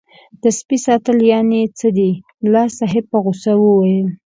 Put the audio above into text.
د سپي ساتل یعنې څه دي ملا صاحب په غوسه وویل.